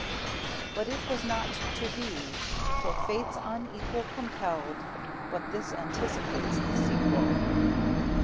But it was not to be, for fates unequal Compelled but this anticipates the sequel.